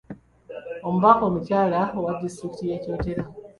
Omubaka omukyala owa diistrikt y’e Kyotera.